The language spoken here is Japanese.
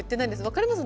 分かります？